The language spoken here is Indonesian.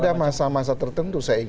ada masa masa tertentu saya ingin